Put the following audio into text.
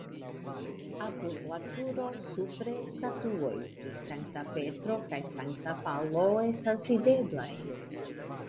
Apud la turo (supre) statuoj pri Sankta Petro kaj Sankta Paŭlo estas videblaj.